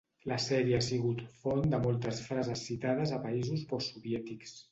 La sèrie ha sigut font de moltes frases citades a països postsoviètics.